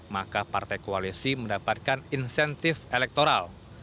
maka partai koalisi mendapatkan insentif elektoral